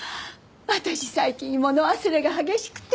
私最近物忘れが激しくて。